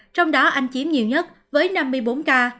trong đó anh chiếm nhiều nhất với năm mươi bốn ca